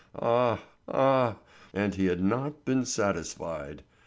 Ah, ah, and he had not been satisfied!